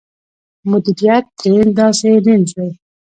مديريت درېيم داسې لينز دی.